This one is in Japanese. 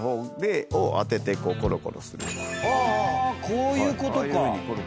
こういうことか。